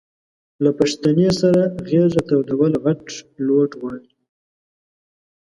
له پښتنې سره غېږه تودول غټ لوټ غواړي.